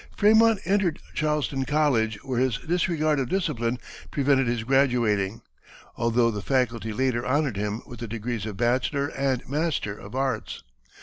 Frémont entered Charleston College, where his disregard of discipline prevented his graduating, although the faculty later honored him with the degrees of Bachelor and Master of Arts.